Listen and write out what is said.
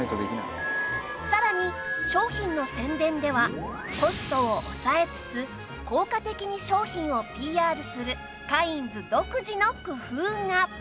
さらに商品の宣伝ではコストを抑えつつ効果的に商品を ＰＲ するカインズ独自の工夫が！